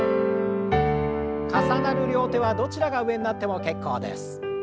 重なる両手はどちらが上になっても結構です。